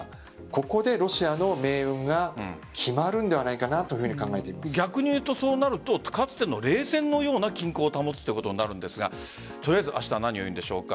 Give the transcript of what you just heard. ここでロシアの命運が決まるんではないかとそうなるとかつての冷戦のような均衡を保つということになるんですがとりあえず明日何を言うんでしょうか。